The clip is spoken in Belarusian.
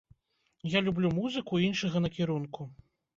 Я люблю музыку іншага накірунку.